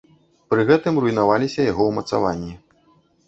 Пры гэтым руйнаваліся яго ўмацаванні.